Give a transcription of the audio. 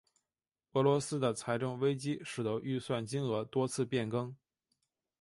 俄罗斯的财政危机使得预算金额多次变更。